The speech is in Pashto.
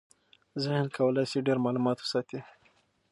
ذهن کولی شي ډېر معلومات وساتي.